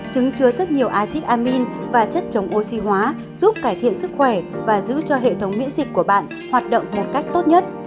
trứng chứa rất nhiều acid amin và chất chống oxy hóa giúp cải thiện sức khỏe và giữ cho hệ thống miễn dịch của bạn hoạt động một cách tốt nhất